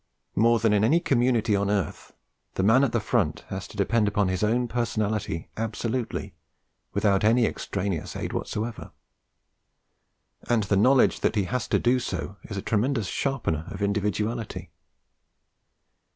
More than in any community on earth, the man at the front has to depend upon his own personality, absolutely without any extraneous aid whatsoever; and the knowledge that he has to do so is a tremendous sharpener of individuality.